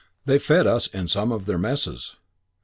They fed us in some of their messes.